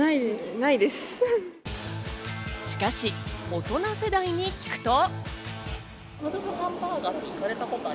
しかし大人世代に聞くと。